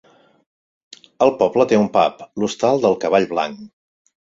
El poble té un pub: L'Hostal del Cavall Blanc.